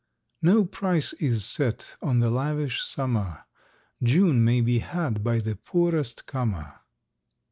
No price is set on the lavish summer; June may be had by the poorest comer.